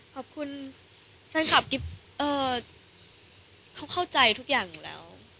ขอบคุณแฟนคลับกิ๊บเขาเข้าใจทุกอย่างอยู่แล้ว